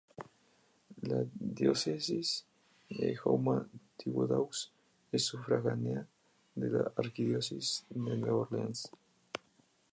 La Diócesis de Houma-Thibodaux es sufragánea de la Arquidiócesis de Nueva Orleans.